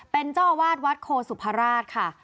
เป็นเจ้าอาวาสวัดโคสุภาราชค่ะ